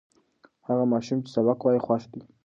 هغه ماشوم چې سبق وایي، خوښ دی.